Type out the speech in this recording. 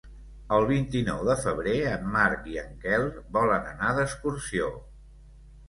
El vint-i-nou de febrer en Marc i en Quel volen anar d'excursió.